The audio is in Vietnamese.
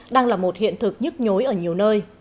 đang là một hiện thực nhức nhối ở nhiều nơi